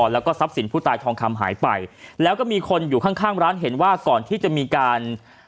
แล้วก็ทรัพย์สินผู้ตายทองคำหายไปแล้วก็มีคนอยู่ข้างข้างร้านเห็นว่าก่อนที่จะมีการ